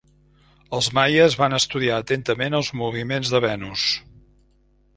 Els maies van estudiar atentament els moviments de Venus.